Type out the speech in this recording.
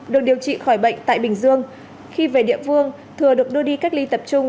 được điều trị khỏi bệnh tại bình dương khi về địa phương thừa được đưa đi cách ly tập trung